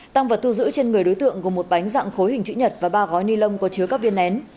tăng vật thu giữ trên người đối tượng gồm một bánh dạng khối hình chữ nhật và ba gói ni lông có chứa các viên nén